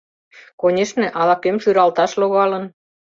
Конешне, ала-кӧм шӱралташ логалын.